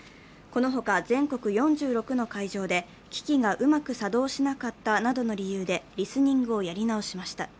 このほか、全国４６の会場で機器がうまく作動しなかったなどの理由でリスニングをやり直しました。